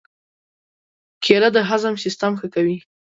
کېله د هضم سیستم ښه کوي.